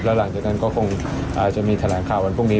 แล้วหลังจากนั้นก็คงจะมีทะลายข่าววันพรุ่งนี้